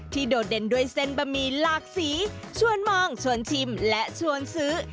โดดเด่นด้วยเส้นบะหมี่หลากสีชวนมองชวนชิมและชวนซื้อ